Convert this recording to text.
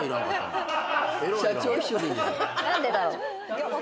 何でだろう。